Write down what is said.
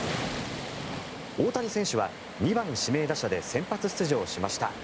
大谷選手は２番指名打者で先発出場しました。